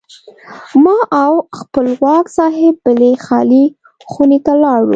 ما او خپلواک صاحب بلې خالي خونې ته لاړو.